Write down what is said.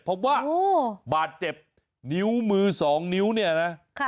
พบว่าบาดเจ็บนิ้วมือ๒นิ้วเนี่ยนะ